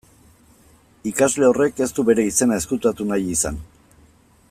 Ikasle horrek ez du bere izena ezkutatu nahi izan.